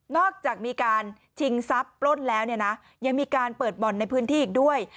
จากมีการชิงทรัพย์ปล้นแล้วเนี่ยนะยังมีการเปิดบ่อนในพื้นที่อีกด้วย